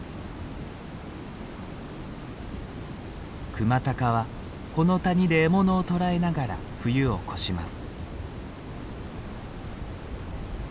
クマタカはこの谷で獲物を捕らえながら冬を越します。